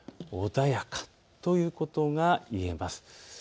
穏やかということが言えます。